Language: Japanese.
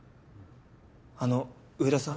あの上田さん。